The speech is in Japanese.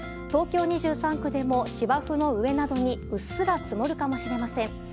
東京２３区でも芝生の上などにうっすら積もるかもしれません。